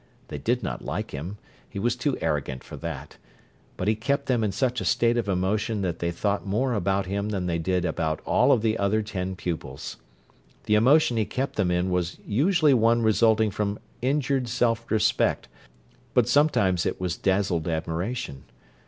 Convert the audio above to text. They did not like him—he was too arrogant for that—but he kept them in such a state of emotion that they thought more about him than they did about all of the other ten pupils. The emotion he kept them in was usually one resulting from injured self respect, but sometimes it was dazzled admiration.